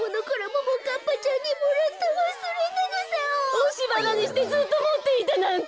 おしばなにしてずっともっていたなんて！